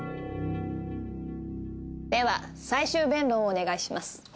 では最終弁論をお願いします。